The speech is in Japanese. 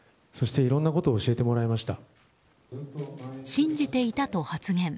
信じていたと発言。